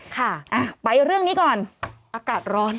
ค่ะไปเรื่องนี้ก่อนอากาศร้อน